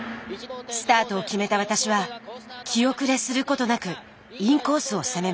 スタートを決めた私は気後れすることなくインコースを攻めました。